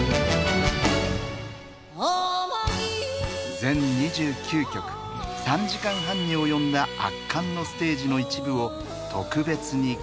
全２９曲３時間半に及んだ圧巻のステージの一部を特別にご紹介。